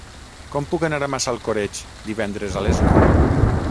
Com puc anar a Massalcoreig divendres a les nou?